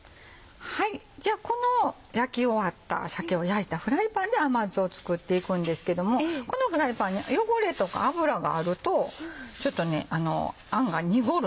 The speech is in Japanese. じゃあこの焼き終わった鮭を焼いたフライパンで甘酢を作っていくんですけどもこのフライパン汚れとか油があるとちょっとあんが濁るのね。